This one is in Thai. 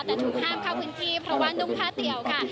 แต่ถูกห้ามเข้าพื้นที่เพราะว่านุ่งผ้าเตี๋ยวค่ะ